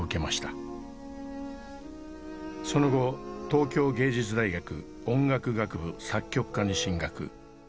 その後東京藝術大学音楽学部作曲科に進学。